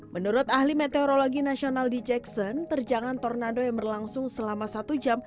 menurut ahli meteorologi nasional di jackson terjangan tornado yang berlangsung selama satu jam